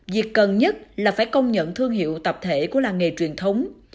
việc cần nhất là phải công nhận thương hiệu tập thể của làng nghề truyền thống